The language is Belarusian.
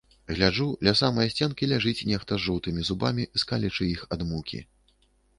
Гляджу, ля самае сценкі ляжыць нехта з жоўтымі зубамі, скалячы іх ад мукі.